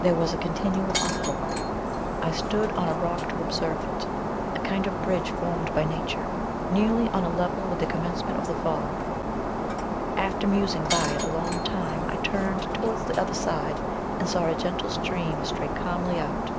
There was a continual uproar. I stood on a rock to observe it, a kind of bridge formed by nature, nearly on a level with the commencement of the fall. After musing by it a long time I turned towards the other side, and saw a gentle stream stray calmly out.